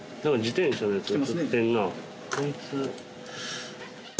こいつ。